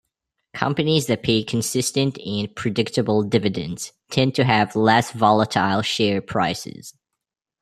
Companies that pay consistent and predictable dividends tend to have less volatile share prices.